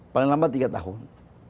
paling lama tiga tahun